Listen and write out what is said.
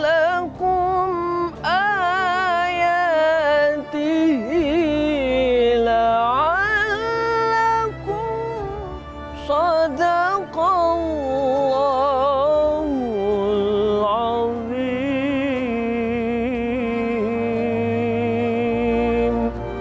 ayat ini dikirakan oleh rasulullah saw